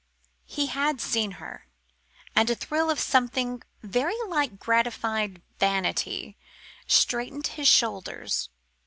He had seen her, and a thrill of something very like gratified vanity straightened his shoulders.